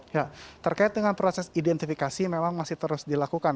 ya terkait dengan proses identifikasi memang masih terus dilakukan